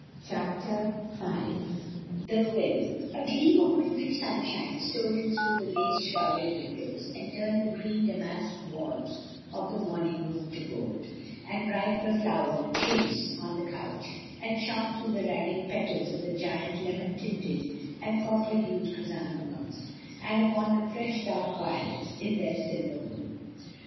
CHAPTER V THE WILL A GLBAM of wintry stmshine stole in through the lace shrouded windows, and turned the green damask walls of the morning room to gold; and brightened the flowered chintz on the couch, and shone through the ragged petals of the giant lemon tinted and copper hued chrysanthemums, and upon the fresh dark violets, in their silver bowl.